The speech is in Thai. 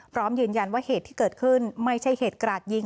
พร้อมยืนยันว่าเหตุที่เกิดขึ้นไม่ใช่เหตุกราดยิง